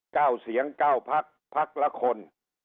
เก้าเสียงเก้าพักพักละคน